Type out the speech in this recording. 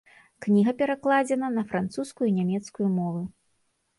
Кніга перакладзена на французскую і нямецкую мовы.